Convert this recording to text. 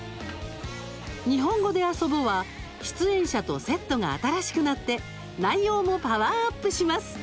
「にほんごであそぼ」は出演者とセットが新しくなって内容もパワーアップします。